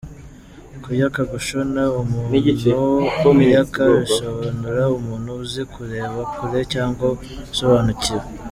Kuyoka , Gushona : umuntu uyoka bisobanura umuntu uzi kureba kure cyangwa usobanukiwe.